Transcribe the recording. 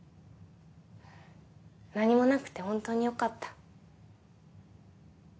何もなくて本当によかった。